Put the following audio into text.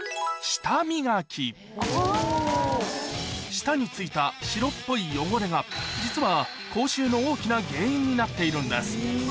舌についた白っぽい汚れが実は口臭の大きな原因になっているんです